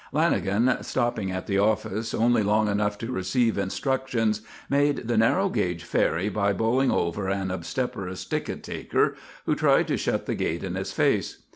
Lanagan, stopping at the office only long enough to receive instructions, made the narrow gauge ferry by bowling over an obstreperous ticket taker who tried to shut the gate in his face.